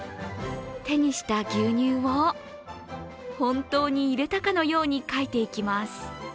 手にした牛乳を本当に入れたかのように描いていきます。